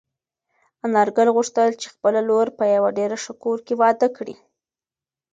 انارګل غوښتل چې خپله لور په یوه ډېر ښه کور کې واده کړي.